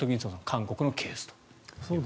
韓国のケースという。